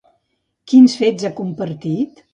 Quins fets ha compartit?